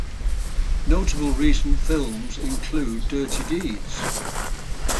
Notable recent films include "Dirty Deeds".